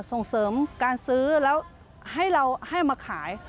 ส่งเสริมการซื้อแล้วให้มาขาย